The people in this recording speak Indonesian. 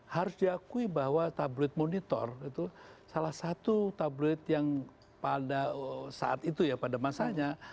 harus diakui bahwa tabloid monitor itu salah satu tabloid yang pada saat itu ya pada masanya